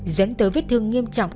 dẫn tới vết thương nghiêm trọng